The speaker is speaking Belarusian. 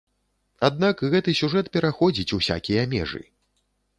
Аднак гэты сюжэт пераходзіць усякія межы.